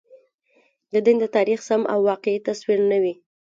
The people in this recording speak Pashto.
د دین د تاریخ سم او واقعي تصویر نه وي.